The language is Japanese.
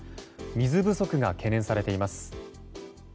水不足が懸念されています。